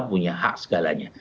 punya hak segalanya